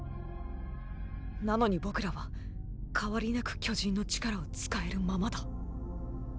なのに僕らは変わりなく巨人の力を使えるままだ。